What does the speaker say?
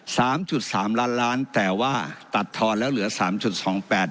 สามจุดสามล้านล้านแต่ว่าตัดทอนแล้วเหลือสามจุดสองแปด